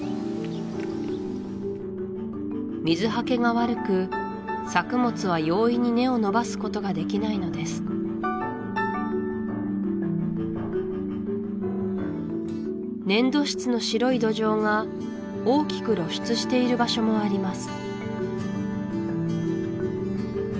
水はけが悪く作物は容易に根を伸ばすことができないのです粘土質の白い土壌が大きく露出している場所もあります